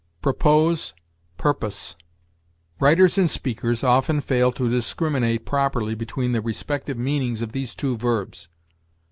PROPOSE PURPOSE. Writers and speakers often fail to discriminate properly between the respective meanings of these two verbs.